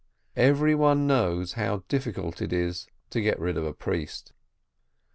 Every one knows how difficult it is to get rid of a priest.